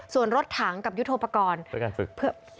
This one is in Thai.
ส่วนรถถังกับยุทธโปรกรเพื่อการฝึก